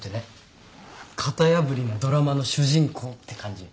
型破りなドラマの主人公って感じ？